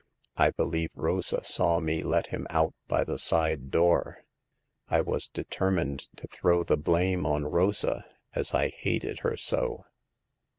I believe Rosa saw me let him out by the side door. I was determined to throw the blame on Rosa, as I hated her so.